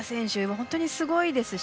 本当にすごいですし。